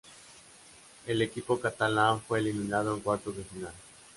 El equipo catalán fue eliminado en cuartos de final.